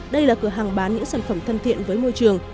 đây là cửa hàng bán những sản phẩm thân thiện với môi trường